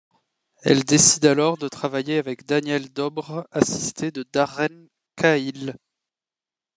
Elle décide alors de travailler avec Daniel Dobre, assisté de Darren Cahill.